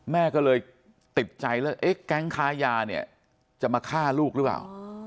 แม่ก็เลยติดใจแล้วเอ๊ะแก๊งค้ายาเนี่ยจะมาฆ่าลูกหรือเปล่า